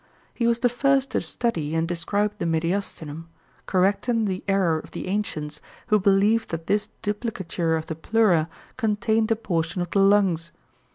He was the first to study and describe the mediastinum, correcting the error of the ancients, who believed that this duplicature of the pleura contained a portion of the lungs.